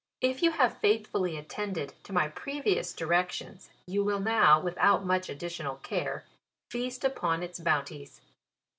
If you have faithfully at tended to my previous directions, you will now, without much additional care, feast up on its bounties.